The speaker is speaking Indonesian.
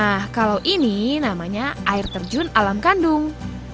nah kalau ini namanya air terjun alam kandung